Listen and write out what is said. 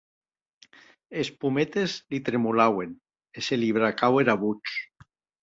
Es pometes li tremolauen, e se li bracaue era votz.